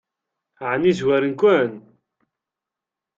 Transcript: Ɛni zwaren-ken?